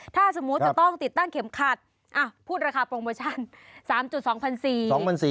ถ้าสมมุติจะต้องติดตั้งเข็มขัดพูดราคาโปรโมชั่น๓๒๔๐๐บาท